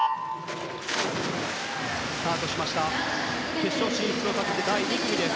決勝進出をかけて、第２組です。